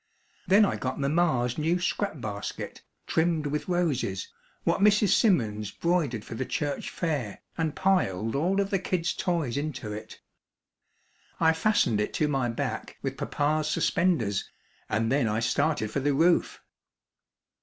Then I got mamma's new scrap basket, trimmed with roses, what Mrs. Simmons 'broidered for the church fair and piled all of the kid's toys into it. I fastened it to my back with papa's suspenders, and then I started for the roof.